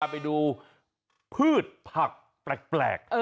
ไปดูพืชผักแปลก